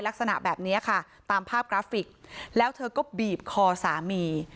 ลักษณะแบบนี้ค่ะตามภาพกราฟิกแล้วเธอก็บีบคอสามี